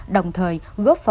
đồng thời góp phần